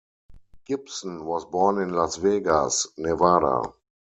Gibson was born in Las Vegas, Nevada.